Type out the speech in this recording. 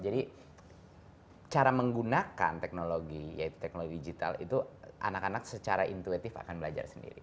jadi cara menggunakan teknologi yaitu teknologi digital itu anak anak secara intuitif akan belajar sendiri